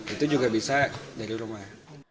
itu juga bisa dari rumah